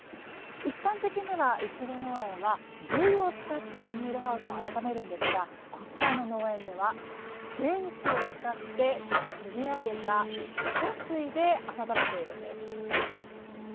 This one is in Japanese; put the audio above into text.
一般的にはイチゴ農園は重油を使ってビニールハウスを暖めるんですがこちらの農園では電気を使ってくみ上げた地下水で暖めているんです。